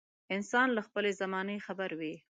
انسان له خپلې زمانې خبر وي.